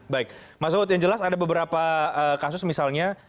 baik mas wad yang jelas ada beberapa kasus misalnya